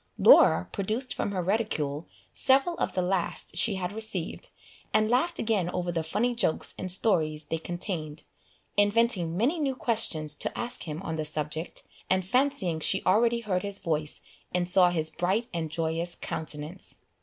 Laura produced from her reticule several of the last she had received, and laughed again over the funny jokes and stories they contained, inventing many new questions to ask him on the subject, and fancying she already heard his voice, and saw his bright and joyous countenance.